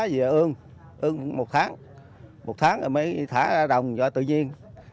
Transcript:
và ương ương một tháng một tháng rồi mới thả ra đồng cho tự nhiên